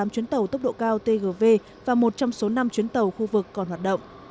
tám chuyến tàu tốc độ cao tgv và một trong số năm chuyến tàu khu vực còn hoạt động